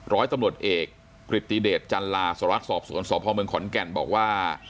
ร้อยตำรวจเอกกฤติเดชจันลาสรวจสอบสวนสพเมืองขอนแก่นบอกว่า